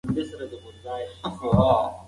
ساينس بايد پښتو شي.